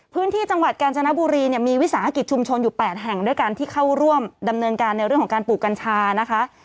พื้นที่จังหวัดกาญจนบุรีเนี่ยมีวิสาหกิจชุมชนอยู่๘แห่งด้วยกันที่เข้าร่วมดำเนินการในเรื่องของการปลูกกัญชานะคะ